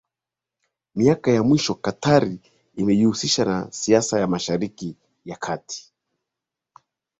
Miaka ya mwisho Qatar imejihusisha na siasa ya Mashariki ya Kati